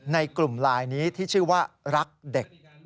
ในกลุ่มไลน์นี้ที่ชื่อว่ารักเด็ก